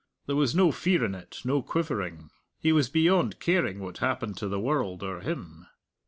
There was no fear in it, no quivering. He was beyond caring what happened to the world or him.